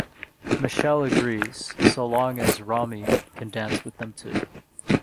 Michele agrees, so long as Romy can dance with them too.